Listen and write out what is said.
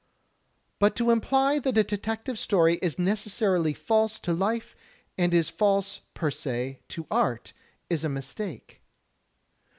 But to imply that a detective story is necessarily false to life and is false, per se, to art, is a mistake.